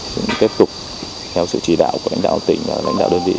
cũng tiếp tục theo sự chỉ đạo của lãnh đạo tỉnh và lãnh đạo đơn vị